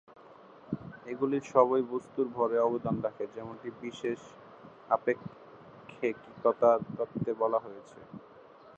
এগুলির সবই বস্তুর ভরে অবদান রাখে, যেমনটি বিশেষ আপেক্ষিকতার তত্ত্বে বলা হয়েছে।